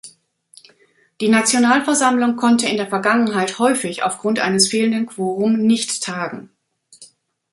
Die Nationalversammlung konnte in der Vergangenheit häufig aufgrund eines fehlenden Quorum nicht tagen.